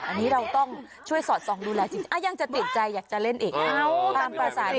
อันนี้เราต้องช่วยสอดส่องดูแลจริงยังจะติดใจอยากจะเล่นอีก